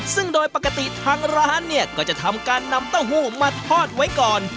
ซึ่งโดยปกติทางร้านเนี่ยก็จะทำการนำเต้าหู้มาทอดไว้ก่อน